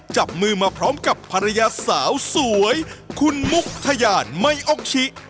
จับมือมาพร้อมกับภรรยาสาวสวยคุณมุกทะยานไมโอชิ